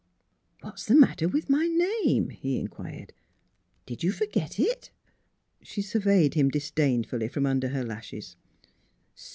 "What's the matter with my name?" he in quired. " Did you forget it? " She surveyed him disdainfully from under her lashes.